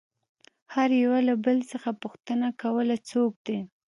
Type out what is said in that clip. هر يوه له بل څخه پوښتنه کوله څوک دى.